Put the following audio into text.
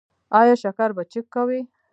ایا شکر به چیک کوئ؟